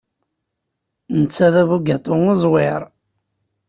Netta d abugaṭu uẓwir.